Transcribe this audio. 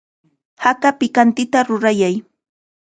Haka pikantita rurayay.